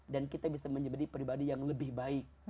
dan kita bisa menyeberi pribadi yang lebih baik